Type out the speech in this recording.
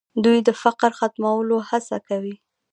دوی د فقر د ختمولو هڅه کوي.